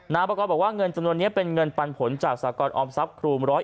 ประกอบบอกว่าเงินจำนวนนี้เป็นเงินปันผลจากสากรออมทรัพย์ครู๑๑